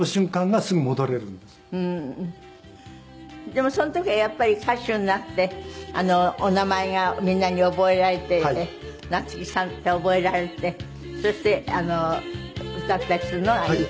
でもその時はやっぱり歌手になってお名前がみんなに覚えられていて夏木さんって覚えられてそして歌ったりするのがいい？